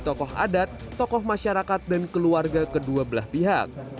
tokoh adat tokoh masyarakat dan keluarga kedua belah pihak